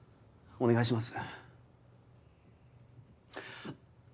お願いします！